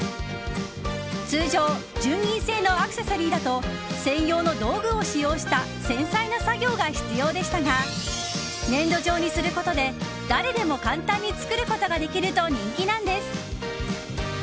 通常、純銀製のアクセサリーだと専用の道具を使用した繊細な作業が必要でしたが粘土状にすることで誰でも簡単に作ることができると人気なんです。